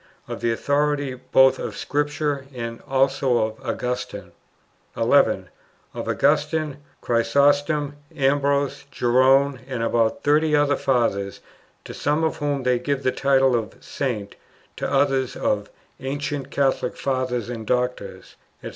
Of the authority both of Scripture and also of Augustine. 11. Of Augustine, Chrysostom, Ambrose, Jerome, and about thirty other Fathers, to some of whom they give the title of "Saint," to others of "ancient Catholic Fathers and doctors, &c."